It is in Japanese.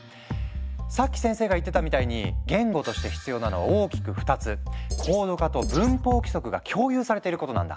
さっき先生が言ってたみたいに言語として必要なのは大きく２つ。が共有されていることなんだ。